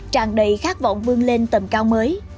tràn đầy khát vọng vươn lên tầm cao mới